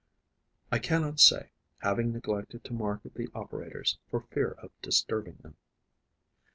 I cannot say, having neglected to mark the operators, for fear of disturbing them.